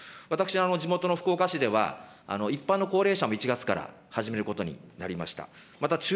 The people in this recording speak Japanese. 私、地元の福岡市では、一般の高齢者も１月から始めることになりました。